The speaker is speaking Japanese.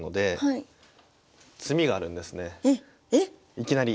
いきなり。